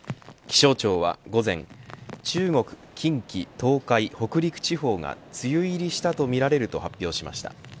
気象庁は午前中国、近畿、東海、北陸地方が梅雨入りしたとみられると発表しました。